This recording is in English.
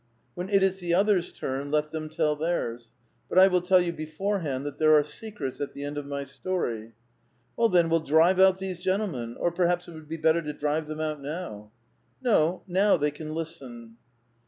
When it is the others' turn, let them tell theirs. But I will tell vou beforehand that there are secrets at the end of my story." " Well, then we'll drive out these gentlemen. Or perhaps it would be better to drive them out now !"" No; now they can listen."